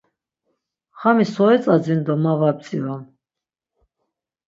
Xami so etzadzin do ma var bdzirom!